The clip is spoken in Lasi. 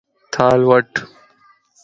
ٿال وٺ